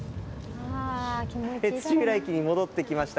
土浦駅に戻ってきました。